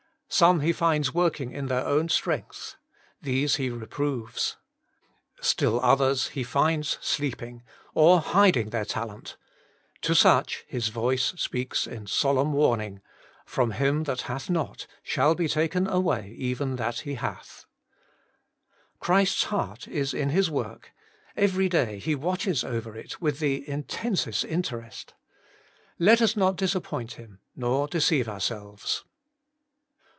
Some He finds working in their own strength; these He reproves. Still others 34 Working for God He finds sleeping or hiding their talent ; to such His voice speaks in solemn warding: ' from him that hath shall be taken away even that he hath.' Christ's heart is in His work ; every day He watches over it with the intensest interest ; let us not disappoint Him nor deceive ourselves.